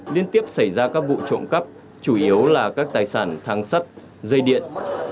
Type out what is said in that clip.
liên tiếp xảy ra các vụ trộm cắp chủ yếu là các tài sản thang sắp dây điện